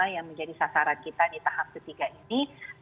yang menjadi sasaran kita di tahap ketiga ini